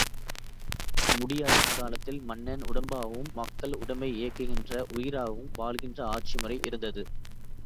முடி ஆட்சிக் காலத்தில் மன்னன் உடம்பாகவும் மக்கள் உடம்பை இயக்குகின்ற உயிராகவும் வாழுகின்ற ஆட்சிமுறை இருந்தது.